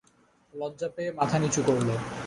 লজ্জা পেয়ে মাথা নিচু করল।